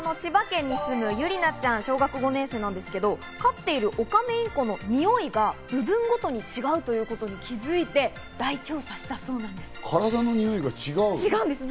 こちらの千葉県に住むゆりなちゃん、小学５年生なんですけど、飼っているオカメインコのにおいが部分ごとに違うということに気づいて大調査したそうなんです。